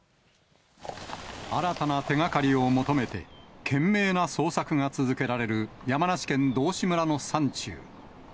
新たな手がかりを求めて、懸命な捜索が続けられる山梨県道志村の山中。